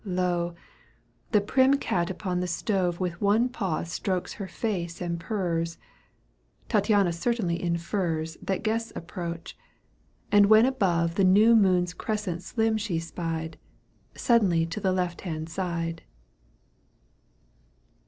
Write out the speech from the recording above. Lo ! the prim cat* upon the stove With one paw strokes her face and purs, Tattiana certainly infers That guests approach : and when above The new moon's crescent slim she spied, Suddenly to the left hand side, VI.